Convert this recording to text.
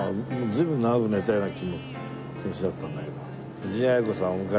随分長く寝たような気持ちだったんだけど。